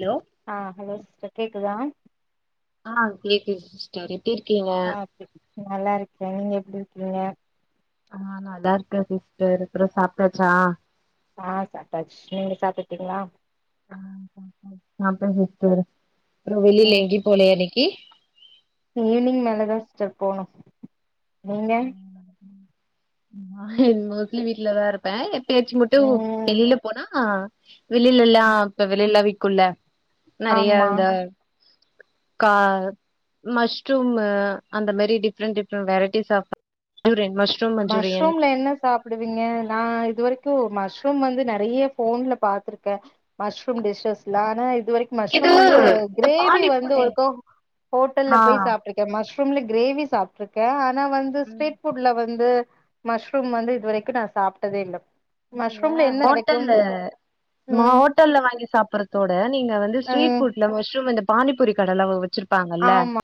Hello அ hello sister கேக்குதா அ கேக்குது சிஸ்டர் எப்டி இருக்கீங்க ஆ கேக்குது நல்லா இருக்கே நீங்க எப்டி இருக்கீங்க அ நல்லா இருக்கே சிஸ்டர் அப்றோ சாப்ட்டாச்சா அ சாப்டாச்சு நீங்க சாப்பிட்டுடிங்களா [unintelligible] அப்றோ வெளில ம் எங்கையு போலயா இன்னைக்கி ஈவினிங் மேலதா சிஸ்டர் போனு நீங்க என் மோஸ்லி வீட்டுலதா இருப்பே எப்யாச்சு மட்டு ம் வெளியில போனா வெளியிலல்லாம் இப்ப வெளிய விக்குல நறைய ஆமா இந்த கா மஷ்ரூம்மு அந்த மாரி டிஃப்ரெண்ட் டிஃப்ரெண்ட் வெரைட்டிஸ் சாப் இவுரேன் மஷ் மஷ்ரூம்ல என்ன சாப் பிடுவிக்க நா இது வரைக்கும் மஷ்ரூம் வந்து நறைய ஃபோன்ல பாத்திருக்கன் மஷ்ரூம் டிஷஸ்ல்ல ஆனா இது வரை இது மஷ்ரூம் வந்து இந்த கிரேவி வந்து பானிபூரி ஒரு கோ ஹோட்டல்ல ஆ போய் சாப்பிட்டு க்கன் மஷ்ரூம்ல கிரேவி சாப்பிட்ருக்கன் ஆனா வந்து ம் ஸ்ரீட்புஃட்ல வந்து வந்து மஷ்ரூம் வந்து இது வரைக்கும் நான் சாப்புட்டதே இல்ல நீங்க மஷ்ரூம்ல என்ன கெடைக்கும் ஹோட்டல்லு நா ஹோட் ம் ஹோட்டல்ல வாங்கி சாப்புறதோட நீங்க வந்து ம் ஸ்ரீட்புஃட்ல மஷ்ரூம் இந்த பானிபூரி கடலா வச்சிருப் ஆமா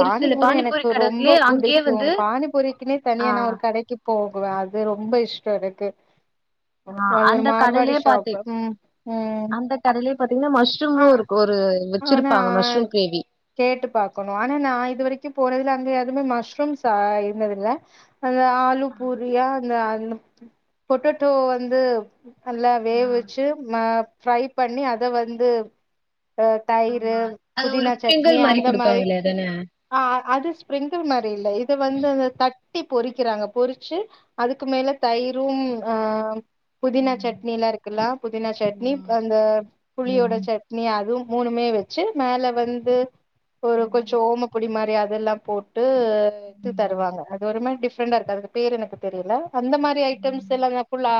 பானிபூரி எனக்கு கடலயே ரொம்ப அங்கேயே வந்து புடிக்கும் பானிபூரிக்குனே ஆ தனியா நா ஒரு கடைக்கு போகவேன் அது ரொம்ப இஷ்டோம் எனக்கு ஆ அது ஒரு அந்த மார்வாடி கடலே பாத்தீ ஷாப்பு ம் ம் அந்த கடலே பாத்தீங்ன்னா ஆ மஷ்ரூம்மு இருக் ஒரு ஆனா வச்சிருப்பாங்க மஷ்ரூம் கிரேவி கேட்டு பாக்கோணும் ஆனா நா இது வரைக்கும் போறதுல அங்க யதுவுமே மஷ்ரூம்ஸ் ஆ இருந்தது இல்ல அந்த ஆலு ஆ பூரியா அந்த அ பொட்டேட்டோ வந்து நல்லா ஆ வேவிச்சு ஃப்ரை பண்ணி அத வந்து அ தயிர் ஆமா அது ஒரு புதினா ஸ்பிரிங்கிள் சட்னி அந்த மாரி குடுப்பாங்களே அதான அ அது ஸ்ப்ரிங்கில் மாரி இல்ல இத வந்து அத தட்டி பொறிக்கிறாங்க பொறிச்சு அதுக்கு மேல தயிரும் அ புதினா சட்னி எல்லா இருக்குல புதினா சட்னி ஆமா அந்த புளியோட ம் சட்னி நீ அதுவும் மூணுமே வெச்சு மேல வந்து ஒரு ம் கொஞ்சோம் ஓமப்பொடி மாரி அதெல்லாம் போட்டுத்து ம் தருவாங்க அது ஒரு மாரி டிஃப்ரெண்டா இருக்கும் அதுக்கு பேர் எனக்கு தெரியில அந்த மாரி டைம்ஸ் ம் எல்லாமே ஃபுல்லா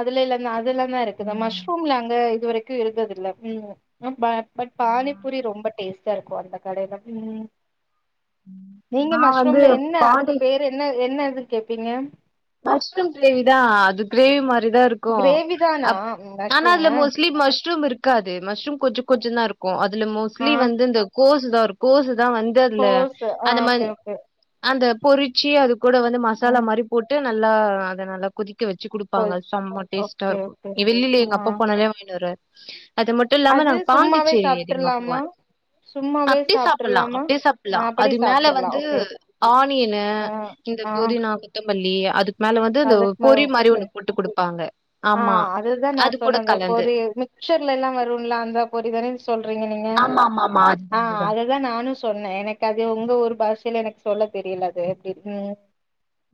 அதுல எல்லாமே அதுல ஃபுல்லா ஆ இருக்குது மஷ்ரூம்ல அங்க இது வரைக்கும் இருந்நதுல்ல பட் பானிபூரி ரொம்ப டேஸ்ட்டா இருக்கும் அந்த கடையில ம் நீங்க நா வந்து மஷ்ரூம்ல என்ன அதுக்கு பாண்டி பேரு என்ன என்ன இதுனு கேப்பீங்க மஷ்ரூம் கேரேவிதான் அது கிரேவி மாரிதான் இருக் இருக்கும் கிரேவி தானா அப் ஆனா அதுல மஷ்ரூமு மோஸ்ட்லி மஷ்ரூம் இருக் இருக்காது மஷ்ரூம் கொஞ்ச கொஞ்ச தான் இருக்கும் அதுல ஆ மோஸ்ட்லி வந்து இந்த கோசு தான் ஒரு கோசு தான் வந்து வந்து அதுல கோஸ் ஆ அந்த ஓகே மாரி ஓகே அந்த பொறிச்சி அது கூட வந்து மசாலா ம் மாரி போட்டு நல்லா அத நல்லா கொதி க்க வெச்சு குடுப்பாங்க கோஸ் செம டேஸ்ட்டா ஓகே இருக்கும் ஓகே வெளில ஆ எங்க அப்பா போனாலே வாங்கினு வருவாரு அது மட்டும் இல்லாம அது நாங்க சும்மாவே பாண்டிச்சேரி அதிகமா சாப்ட்றலாமா போவன் சும்மாவே அப்டி சாப்புலாம் சாப்ட்றலாமா அப்டியே ஆ சாப்புடலாம் அப்படி அது மேல சாப்ட்றலா வந்து ஓகே ஆனியனு ஆ இந்த ஆ புதினா கொத்தமல்லி அதுக்கு மேல வந்து இந்த அதுக்கு ம பொரி மாரி ஓகே ஒண்ணு போட்டு குடுப்பாங்க ஆ ஆமா அதுதான் அது நான் கூட சொன்ன இந்த கலந்து பொரி மிக்சர்லலாம் வருன்ல அந்த பொரிதானே சொல்றீங்க நீங்க ஆமாமாமா அதுதா ஆ அதுதா அத அதான் நானும் சொன்னேன் எனக்கு அது உங்க ஊரு பாஷையில எனக்கு சொல்ல தெரில எப்டினு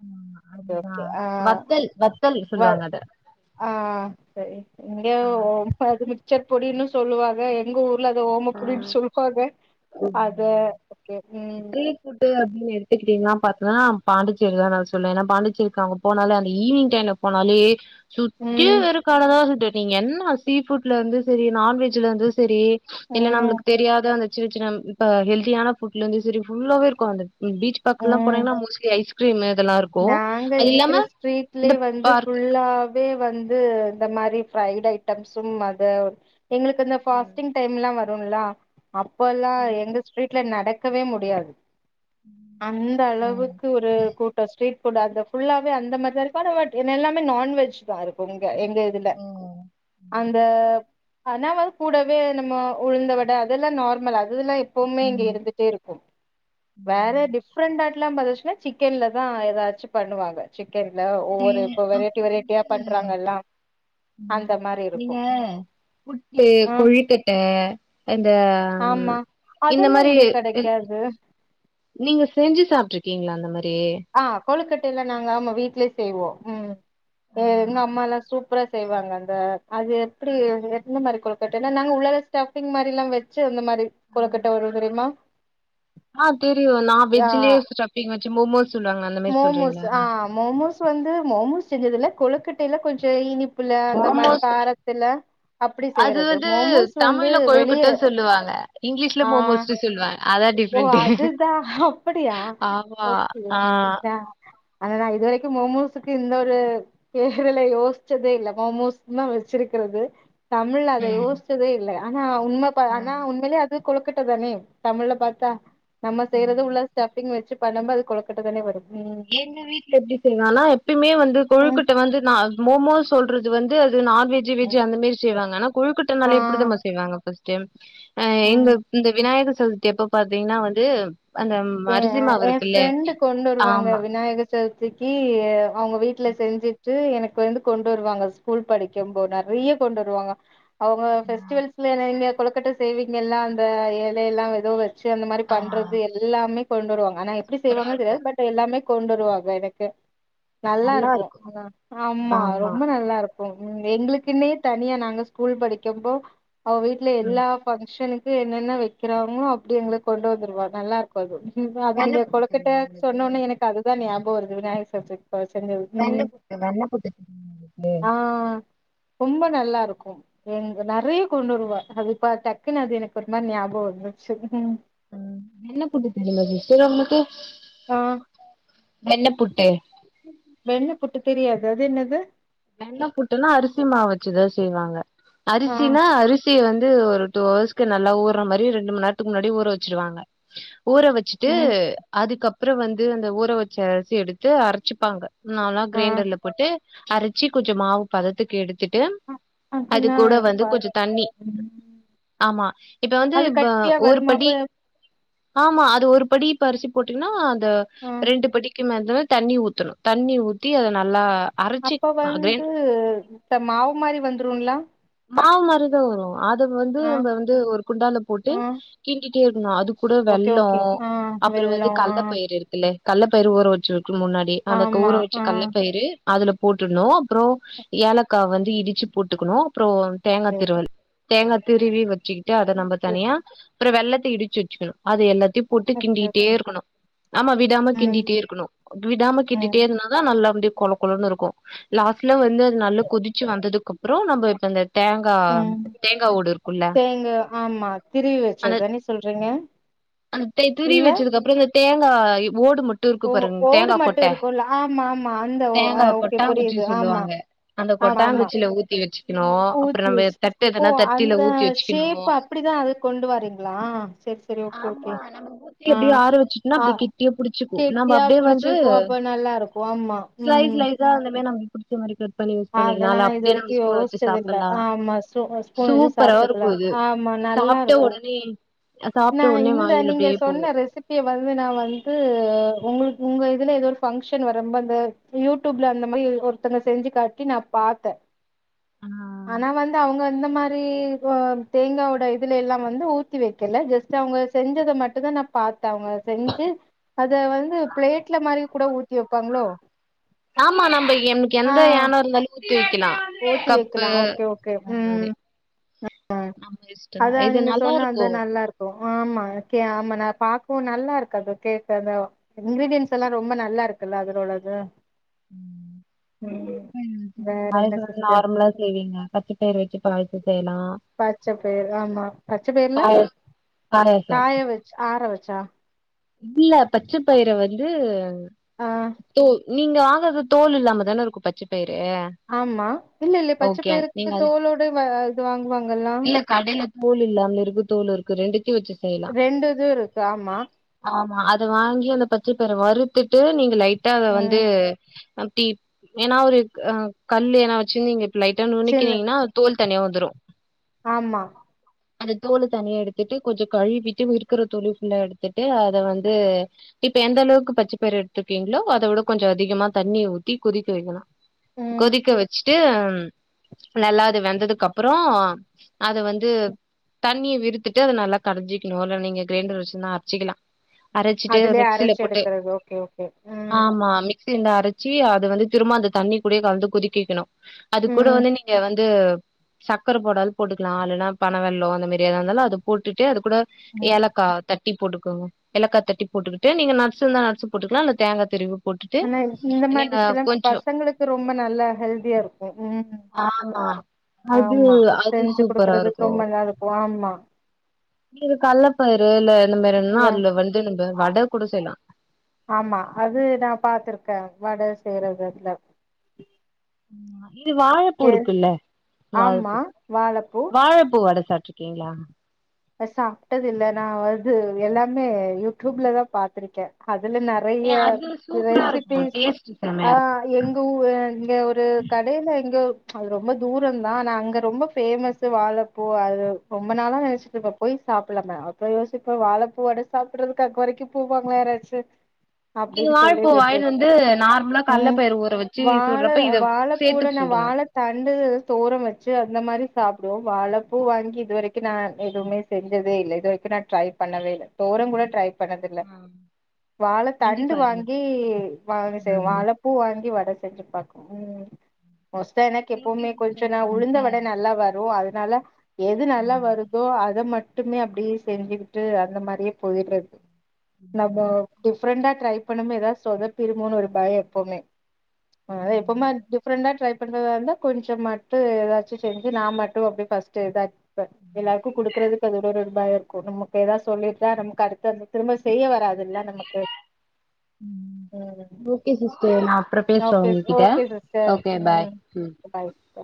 ஆ ஓகே அதுதா ஓகே ஆ வத்தல் வத்தல் வர் சொல்லுவாங்க அத ஆ சேரி சேரி இங்க ஆ ஓ அங்க அது மிக்சர் பொடினு சொல்லுவாங்க எங்க ஊர்ல அது ஓம பொடினு சொல்லுவாங்க ஆ. அது ஓகே ம் ஸ்ட்ரீட் ஃபுட்டு அப்டின்னு எடுத்துக்கிட்டீங்கன்னா பாத்தீன்னா பாண்டிேரி தான் நா சொல்லுவன் ஏன்னா பாண்டச்சேரிக்கு அவுங்க போனாலே அந்த ஈவினிங் டைம்ல போனாலே சுத்தி ம் வெறு கடதான் இருந்தது நீங்க என்ன சீஃபுட்ல இருந்து செரி நான்வெஜ்ல இருந்து செரி இல்ல ம் நம்மளுக்கு தெரியாத அந்த சின்ன சின்ன இப்ப ஹெல்தியான. ஃபுட்ல இருந்தும் செரி ஃபுல்லாவே இருக்கு அந்த பீச் பக்கம்லா ம் போனீங்கன்னா மோஸ்லி ஐஸ் கிரீம் இதெல்லாம் இருக் நாங்க இருக்கிற ஸ்ட்ரீட்லயே வந்து பார்க் ஃபுல்லா இப்பவே வந்து இந்த மாரி ஃபைட் அயிட்டம்ஸ் சும்மாதான் எங்களுக்கு அந்த ம் ஃபாஸ்டிங் டைம் லா வரும்ல அப்பல்லாம் ஆமா எங்க ஸ்ட்ரீட்ல நடக்கவே முடியாது அந்த ம் ம் அளவுக்கு ஒரு கொ இந்த ஸ்ரிட்ஃபுட் அந்த ஃபுல்லாவே அந்த மாரிதா இருக்கு ஆனா பட் எல்லாமே நான்வெஜ் தான் இருக்கு எங்க இல்ல ம் அந்த ம் கணவர் கூடவே நம்ம உழுந்த வட அதெல்லாம் நார்மல் அதெல்லாம் எப் எப்பவுமே இங்க இருந்துட்டே இருக்கும் வேற ம் டிஃப்ரெண்டாலாம் பாத்தச்சுன்னா சிக்கன்ல தான் ஏதாச்சும் பண்ணுவாங்க சிக்கன்ல ஒவ்வொரு இப்ப வெரைட்டி வெரைட்டியா பண்றாங்கல்லாம் அந்த மாரி இருக்கும் புட்லே குழி கொழுக்கட்ட அந்த ஆமா இந்த அதெல்லா மாரி இங்க இ கெடைக்காது நீங்க செஞ்சு சாப்பிட்டுருக்கீங்களா அந்த மாரி ஆ கொழுக்கட்டைய எல்லாம் நாங்க ஆமா வீட்லயே செய்வோம் ம் எங்க அம்மாலாம் சூ ப்பரா செய்வாங்க அந்த அது எப்டி எந்த மாரி கொழுக்கட்டனா நாங்க உலக ஸ்டப் ப்பிங் மாதிரிலாம் வச்சு அந்த மாரி கொளுக்கட்ட வரு தெரியுமா ஆ தெரியும் நான் ஆ வெஜ்லயே ஸ்டப்பீங்க வச்சு மோமோஸா சொல்லுவாங்க அந்த மாரி மோமோஸ் சொல்றீங்களா ஆ மோமோஸ் வந்து மோமோஸ் செஞ்சதுல கொழுக்கட்டையில கொஞ்ச இனி ப்புல அந்த மாரி மோமோஸ் காரத்துல அப்டி அது செய்யறது வந்து மோமோஸ் வந்து தமிழ்ல வெளிய கொழுக்கட்ட சொல்லுவாங்க இங்கிலீஷ்ல ஆ மோமோஸ்னு சொல்லுவாங்க அதான் டிப் ஓ அதுதான் அப்டியா ஆமா ஓகே ஆ ஓகேங்க அதுதான் இதுவரைக்கும் மோமோஸுக்கு இந்த ஒரு கேரளை யோசிச்சதே இல்ல மோமோஸ் தான் வச்சிருக்கிறது தமிழ் அத ம் யோசிச்சதே இல்ல ஆனா உண்ம தான் ஆனா ம் உண்மையிலே இது கொழுக்கட்ட தானே தமிழ்ல பார்த்தா நம்ம ம். செய்யறது உள்ள ஸ்டப்பிங் வச்சு பண்ணிந்தா அது கொழுக்கட்ட தான வரும் எங்க வீட்ல எப்டி செய்வாங்கன்னா எப்பயுமே வந்து ம். கொழுக்கட்டை வந்து நா மோமோஸ் சொல்றது வந்து அது நான்வெஜ் வெஜ் அந்தமாரி செய்வாங்க ஆனா குழுக்கட்டனாலே எப்டி ஆ தெரியுமா செய்வாங்க ஃபஸ் கியம் ஆ ம் எங்க இந்த விநாயக சதுர்த்தி எப்ப பாத்தீங்கன்னா வந்து அந்த ஏ அரிசிம்மாவு என் இருக்குல்ல ஃப்ரெண்டு கொண்டு வருவாங்க ஆமா விநாயக சதுர்த்திக்கு அவங்க வீட்ல செஞ்சு ட்டு எனக்கு வந்து கொண்டு வருவாங்க ஸ்கூல் படிக்கும் போது நறைய கொண்டு வருவாங்க அவங்க பெஸ்டிவல்ஸ்லனங்க கொலக்கட்ட செய்வீங்க எல்லாம் அந்த இலைய எல்லாம் ஏதோ வச் அந்த மாரி ஆ பண்றது எல்லாமே கொண்டு வருவாங்க ஆனா எப்டி சூப்பரா செய்வாங்கன்னு இருக்கு தெரியாது பட் எல்லாமே கொண்டுருவாங்க எனக்கு நல்லா இருக்கும் ஆமா ரொம்ப நல்லா இருக் ம் எங்களுக்குன்னே தனியா நாங்க ஸ்கூல் படிக்கும்ப்போ அவங்க வீட்ல ம் எல்லா பங்க்ஷனுக் கு என்னென்ன வைக்கிறாங்களோ அப்டே எங்களுக்கு கொண்டு வந்துடுவா நல்லா அது வெண்ண நீங்க புட்டு கொழுக்கட்ட தெரியுமா உங்களுக்கு சொன்னோனே எனக்கு அதுதான் ஞாபகம் வருது விநாயகர் சர்ஜ் அவ செஞ்சது வெண்ண ம் புட்டு வெண்ண புட்டு தெரியுமா உங்களுக்கு ஆ ரொம்ப நல்லா இருக்கும் எங்க நறைய கொண்டு வருவா அது இப்ப டக்குன்னு அது எனக்கு ரொம்ப ஞாபகம் வந்துச்சு ம் என்ன ஃபுட்டு தெரில விக்கிறவங்களுக்கு ஆ வெண்ணப்புட்டு வெண்ண புட்டு தெரியாது அது என்னது வெண்ண புட்டுன்னா அரிசி மாவு வச்சுதா செய்வாங்க ஆ அரிசின்னா அரி சி வந்து ஒரு டூ அவர்ஸ்கு நல்லா ஊற மாரி ரெண்டு மணி நேரத்துக்கு முன்னாடி ஊற வச்சிருவாங்க ஊற வச்சு வச்சுட்டு ம் அதுக்கப்புறோ வந்து அந்த ஊற வச்ச அரிசி எடுத்து அரச்சிப்பாங்க நல்லா ஆ க்ரைண்டர்ல போட்டு அரச்சி கொஞ்சோ மாவு பதத்துக்கு எடுத்துட்டு அ- அது அதுனா கூட எனக்கு வந்து பா கொஞ்சோ தண்ணி ம் ஆமா இப்ப வந்து அது வ கட்டியா ஒரு வருமா அப்ப படி ஆமா அது ஒரு படி இப்ப அரிசி போட்டீங்கன்னா அந்த ஆ ரெண்டு படி கி மதிரா தண்ணி ஊத்தணு தண்ணி ஊத்தி அத நல்லா அரச்சி அப்ப கிரைண் வந்து இந்த மாவு மாரி வந்துருல்லா மாவு மாரிதா வரு அத வந்து ஆ நம்ம வந்து ஒரு குண்டால போட்டு ஆ கிண்டிட்டே இருக்கனு அது கூட ஓகே வெள்ளோ ஓகே ஆ அப்புறோ வந்து வெல்லோ ஆ கல்லப்பயிரு இல்ல கல்லப்பயிர ஊற வச்சிருக்கனு முன்னாடி அந்த ஆமா ஊற வச்ச ஆ கவ்ல பயிரு அதுல போட்டுட்னு அப்புறோ ஏலக்கா வந்து இடிச்சு போட்டுக்ணு அப்புறோ தேங்கா திருவல் தேங்கா திருவி வச்சிக்கிட்டு அத நம்ப தனியா அப்புறோ வெள்ளத்த இடிச்சி வச்சிக்கணு அது எல்லாத்தையு போட்டு ஓகே கிண்டிக்கிட்டே ஓகே இருக்கணு ஆமா விடாம கிண்டிட்டே ம் இருக்கணு விடாம கிண்டிட்டே ம் இருந்தாதா நல்லா அப்டி கொழ கொழன்னு இருக்கு லாஸ்ட்ல வந்து அது நல்ல கொதிச்சு வந்ததுக்கு அப்புறோ நம்ப இப்ப இந்த தங்க் ம் தேங்கா ஆமா திருவி அந்த வச்சது தானே சொல்றீங்க அந்த தே துருவி இல்ல வச்சதுக்கு அப்புறோ அந்த தேங்காய் ஓடு மட் டு இருக்கு ஓ பாருங்க ஓடு தேங்கா மட்டு கொட்ட இருக்கும்ல ஆமா ஆமா அந்த ஓ தேங்கா ஓகே கொட்டாங்குச்சி புரியுது ஆமா சொல்லுவாங்க அந்த ஆமா ஆமா கொட்டாங்குச்சியில ஊத்தி வச்சிக்கணு அப்புறோ ஊத்தி நம்ப வச்சு தட்டு எதுனா தட்டில ஊத்தி வச்சிக்கணு அப்டிதா அது கொண்டு வாரீங்களா சேர் சே செரி ஓகே ஓகே ஆமா நம்ம ஊத்தி ஆ அப்டியே ஆற வச்சுட்டோனா ஆ அப்டி கெட்டியா புடிச்சுக்கு நம்ம கெட்டியா அப்டியே வந்து புடிச்சுக்கு அப்ப நல்லாருக் ஒமா ம் ஸ்லைஸ் ஸ்லைஸ்ஸா இனிமே நம்ம புடி மாரி கட் பண்ணி யூஸ் அதெல்லா பண்ணிக்கலா‌இல்ல இது அப்டியே வரைக்கு நம்ப ஸ்பூன வச்சு யோசிச்சது இல்ல சாப்ட்லா ஆமா ஸ்பூ ஸ்பூன் வச்சு சூப் பரா சாப்ட்டுக்கலா இருக்கு இது ஆமா சாப்ட்ட ஒடனே ஏன்னா சாப்ட்ட ஒடனே இந்த வாயில நீங்க அப்டியே போகு சொன்ன ரெசிப் பிய வந்து நா வந்து உங்களுக்கு உங்க இதுல ஏதோ ஒரு பங்க்ஷன் வரும்ப வ யூடியூப்ல அந்த மாரி ஒருத்தங்க செஞ்சு காட்டி நா பாத்த ம் ஆனா வந்து அவங்க இந்த மாரி ஒ தேங்கா ஒட இதுல எல்லா வந்து ஊத்தி வைக் க்கல ஜெஸ்ட் அவங்க செஞ்சத மட்டு தா நா பாத்த அவங்க செஞ்சி அத வந்து ப்ளேட்ல மாரி கூட ஊத்தி வைப்பாங்களோ ஆமா நம்ப எனக்கு ஆ எந்த யானம் இருந்தாலும் ஊத்தி வைக்கலா ஊத்தி கப்பு வைக்கலா ஓகே ஓகே அந்த மாரி ம் ஆ நம்ம இஷ்டந்தா அதா இது நீங்க நல்லா சொன்ன அந்த இருக்கு நல்லாருக் கு ஆமா எனக்கே ஆமா நா பாக்கவு நல்லா இருக்கு அந்த கேக்க அந்த இன்கிரீடியன்ஸ் எல்லா ரொம்ப நல்லா இருக்குல்ல அதுல உள்ளது ம் [unintelligible] வேற நாளைக்கு என்ன சொல் சிஸ்டர் நார்மலா செய்வீங்க பச்சப்பயிறு வச்சு பாயாசோ செய்யலா பச்ச பயிர் ஆமா பச்ச பயிர்ல பாய பாயாசம் காய வச்சு ஆற வச்சா இல்ல பச்ச பயிர வந்து ஆ தோ நீங்க வாங்றது தோல் இல்லாமதான இருக்கு பச்ச பயிறு ஆமா இல்ல இல்ல பச்ச ஓகே பயிறுக்கு நீங்க அது தோலோட வ இது வாங்குவாங்கல்லா இல்ல கடைல தோல் இல்லாமலு இருக்கு தோல் இருக்கு ரெண்டத்தையு வச்சு செய் ரெண்டு இது இருக்கு ஆமா ஆமா அத வாங்கி அந்த பச்ச பயிற வறுத்துட்டு நீங்க லைட்டா அத வந்து ம் அம்டி ஏனா ஒரு ஆ கல்லு ஏதுனா வச்சிருந்து நீங்க இப்ப லைட்டா சின்ன நுனுக்னீங்கன்னா தோல் தனியா வந்துரு ஆமா அந்த தோலு தனியா எடுத்துட்டு கொஞ்சோ கழுவிட்டு இருக்ற தோலையு ஃபுல்லா எடுத்துட் டு அத வந்து இப்ப எந்த அளவுக்கு பச்சப் பயிற எடுத்துருக்கீங்ளோ அத விட கொஞ்சோ அதிகமா தண்ணிய ஊத்தி கொதிக்க வைக்கலா ம் கொதிக்க வச்சுட்டு நல்லா அது வெந்ததுக்கு அப்புறோ அத வந்து தண்ணிய விர்த்திட்டு அத நல்லா கடைஞ்சிக்ணு இல்ல நீங்க க்ரைண்டர் வச்சிருந்தா அரச்சிக்லா அரச்சிட்டு அதுலயே மிக்சில அரைச்சு போட்டு எடுக்கறது ஓகே ஓகே ம் ஆமா மிக் மிக்சி இருந்தா அரச்சி அது வந்து திரும்ப அந்த தண்ணி கூடே கலந்து கொதிக்க வைக்ணு அது கூட ம் வந்து நீங்க வந் து சக்கர போட்டாலு போட்டுக்கலா இல்லனா பன வெல்லோ அந்த மாரி ஏதா இருந்தாலு அத போட்டுட்டு அது கூட ம் ஏலக்கா தட்டி போட்டுக்கோங்க ஏலக்கா தட்டி போட்டுக்கிட்டு நீங்க நட்ஸ் இருந்தா நட்ஸ் போட்டுக்லா இல்ல தேங்கா துருவி ஆனா இந்த மாரி டிஷ்லா பசங்களுக்கு ரொம்ப நல்ல ஹெல்தியா இருக்கு ம் ஆமா அது ஆமா அது செஞ்சு சூப்பரா குடுக்குறதுக்கு இருக்கு ரொம்ப நல்லா இருக்கு ஆமா இது கள்ளப்பயுரு இல்ல இந்த மாரி என்ன்னா இல்ல அதுல வந்து நம்ப வட கூட செய்லா ஆமா அது நா பாத்துருக்கே வட செய்றது அதுல ஆமா இது வாழப்பூ எஸ் இருக்குல்ல ஆமா வாழப்பூ வாழப்பூ வாழப்பூ வட சாப்ட்டு கீங்ளா அ சாப்ட்டது இல்ல நா அது எல்லாமே யூடியூப்ல தா பாத்திருக்கே அதுல நா நெறைய ஏ அது சூப்பரா இருக்கு ரெசிபிஸ் டேஸ்ட் ஆ செமையா இருக்கு எங்க ஊ எங்க ஒரு கடையில எங்க அது ரொம்ப தூரந்தா ஆனா அங்க ரொம்ப ஃபேமஸ் இந்த வாழப்பூ அது ரொம்ப நாளா நெனச்சு இப்ப போய் சாப்பிட்லாமா அப்றோ யோசிப்பே வாழப்பூ வட சாப்பிட்றதுக்கா அங்க வரைக்கு போவாங்களா யாராச்சு நீங்க அப்டின் சொல்லி வாழப்பூ வாங்கினு விட்றது வந்து நார்மலா கல்ல ம் பயிறு ஊற வச்சு வாழ சுடுறப்ப இத சேத்து வாழப்பூவோட நா சுடுங்க வாழ தண்டு தோரம் வச்சு அந்த மாரி சாப்டுவோ வாழப்பூ வாங்கி இது வரைக்கு நா எதுவுமே செஞ்சதே இல்ல இது வரைக்கு நா ட்ரை பண்ணவே இல்ல தோரம் கூட ட்ரை பண்ணதில்ல வாழ செஞ்சு தண்டு பாருங்க வாங்கி வாங்க செய் ம் வாழப் பூ வாங்கி வட செஞ்சு பாப்போ மோஸ்டா எனக்கு எப்போமே கொஞ்சோ நா உழுந்தவட நல்லா வரு அதனால எது நல்லா வரு அத மட்டுமே அப்டியே செஞ்சுக்கிட்டு அந்த மாரியே போயுறது நம்ம டிஃப் டிஃப்ரெண்டா ட்ரை பண்ணும் போது சொதப்பிருமோனு ஒரு பயோ எப்போமே அ அதா எப்போமே டிஃப்ரெண்டா ட்ரை பண்றதா இருந்தா கொஞ்சோ மாட்டு ஏதாச்சு செஞ்சு நா மட்டு வப்பே பஸ்ட் ஏதாச் எல்லாருக்கு குடுக்குறதுக்கு அது ஒரு ஒரு மாதி இருக்கு நமக்கு ஏதாவ் சொல்லிட்டா நமக்கு அடுத்து அந்த திரும்ப செய்ய வராதுல்ல நமக்கு ம் ஓகே சிஸ்டர் நா அப்றோ பேசுறே ஓகே உங்ககிட்ட ஓகே சிஸ்டர் ஓகே பாய் ம் பாய் சிஸ்டர்